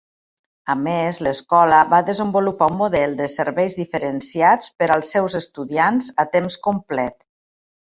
A més, l'escola va desenvolupar un model de serveis diferenciats per als seus estudiants a temps complet.